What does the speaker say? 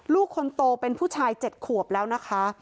ลูกคนโตเป็นผู้ชาย๗ขวบแล้วนะคะ